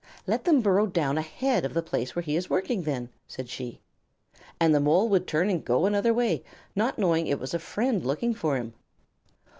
"Let them burrow down ahead of the place where he is working, then," said she. "And the Mole would turn and go another way, not knowing it was a friend looking for him."